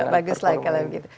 iya bagus lah kalau begitu